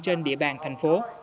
trên địa bàn thành phố